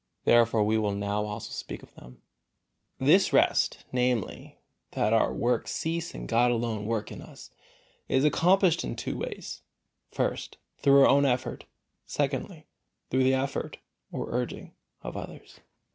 Therefore we will now also speak of them. XVIII. This rest, namely, that our work cease and God alone work in us, is accomplished in two ways. First, through our own effort, secondly, through the effort or urging of others.